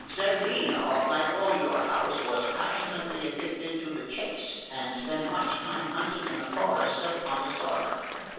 "Cerveno, like all your house, was passionately addicted to the chase, and spent much time hunting in the forest of Pontesordo.